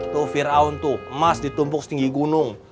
tuh fir'aun tuh emas ditumpuk setinggi gunung